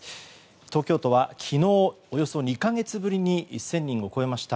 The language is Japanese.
東京都は昨日およそ２か月ぶりに１０００人を超えました。